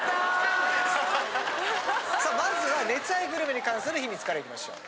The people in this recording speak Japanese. さあまずは熱愛グルメに関する秘密からいきましょう。